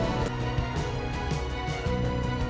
karena setelah oracle sudah berpeluh diri